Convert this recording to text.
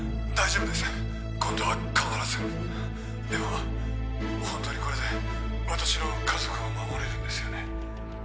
大丈夫です今度は必ずでも本当にこれで私の家族を守れるんですよね？